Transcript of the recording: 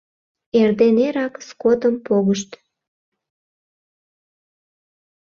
Эрден эрак скотым погышт.